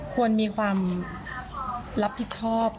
ควรมีความรับผิดชอบ